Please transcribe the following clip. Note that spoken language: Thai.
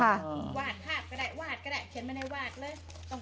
วาดภาพก็ได้วาดก็ได้เขียนไว้ในวาดเลย